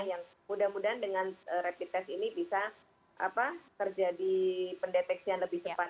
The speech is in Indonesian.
yang mudah mudahan dengan rapid test ini bisa terjadi pendeteksian lebih cepat